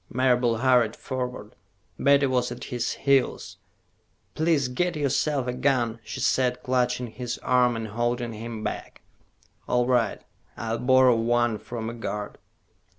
Marable hurried forward. Betty was at his heels. "Please get yourself a gun," she said, clutching his arm and holding him back. "All right. I'll borrow one from a guard."